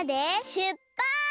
しゅっぱつ！